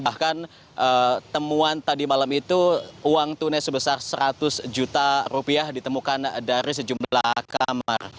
bahkan temuan tadi malam itu uang tunai sebesar seratus juta rupiah ditemukan dari sejumlah kamar